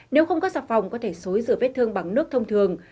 nếu không có sạp phòng có thể xối rửa vết thương bằng nước thông thường